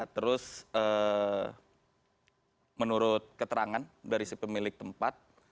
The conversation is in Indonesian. terus menurut keterangan dari si pemilik tempat